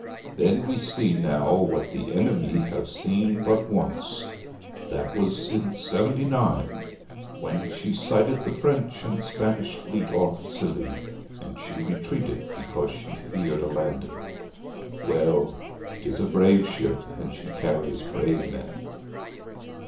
'Then we see now what the enemy have seen but once. That was in seventy nine, when she sighted the French and Spanish fleet off Scilly, and she retreated because she feared a landing. Well, 'tis a brave ship and she carries brave men!'